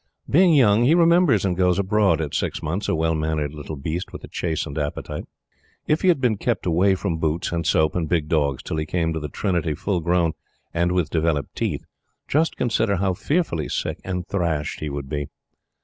Being young, he remembers and goes abroad, at six months, a well mannered little beast with a chastened appetite. If he had been kept away from boots, and soap, and big dogs till he came to the trinity full grown and with developed teeth, just consider how fearfully sick and thrashed he would be!